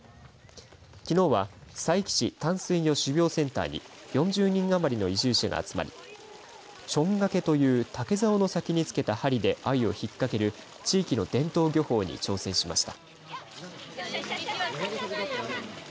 きのうは佐伯市淡水魚種苗センターに４０人余りの移住者が集まりちょんがけという竹ざおの先に付けた針でアユを引っかける地域の伝統漁法に挑戦しました。